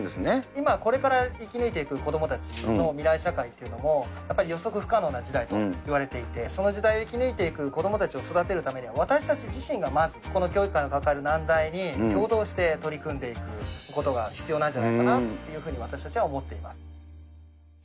今これから生き抜いていく子どもたちの未来社会というのは、やっぱり予測不可能な時代といわれていて、その時代を生き抜いていく子どもたちを育てるためには私たち自身がまずこの教育界の抱える難題に共同して取り組んでいくことが必要なんじゃないかなというふうに、私たちは思っています。